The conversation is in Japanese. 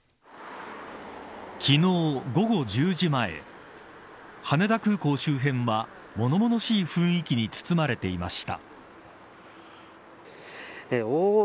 昨日午後１０時前羽田空港周辺は物々しい雰囲気に包まれていました。